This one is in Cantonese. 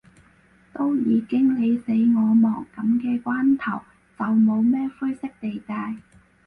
都已經你死我亡，噉嘅關頭，就冇咩灰色地帶